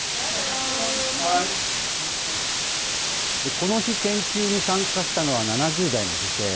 この日、研究に参加したのは７０代の女性。